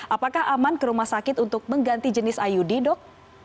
apakah aman ke rumah sakit untuk mengganti jenis iud dok